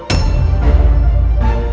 masih masih yakin